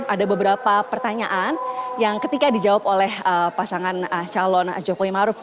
ada beberapa pertanyaan yang ketika dijawab oleh pasangan calon jokowi maruf